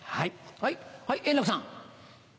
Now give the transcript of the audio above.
はい円楽さん。